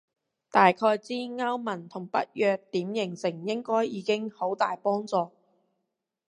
大概知歐盟同北約點形成應該已經好大幫助